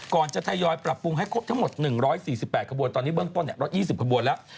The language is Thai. ก่อนจะทยอยปรับปรุงให้ครบทั้งหมด๑๔๘ขบวนตอนนี้เบื้องต้นลด๒๐ขบวนแล้ว